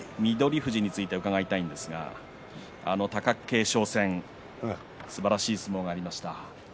富士について伺いたいんですが北の富士さん、貴景勝戦すばらしい相撲がありました。